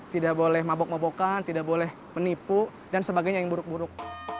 tidak boleh mabok mobokan tidak boleh menipu dan sebagainya yang buruk buruk